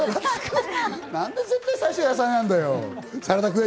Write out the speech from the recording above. なんで絶対最初野菜なんだよ！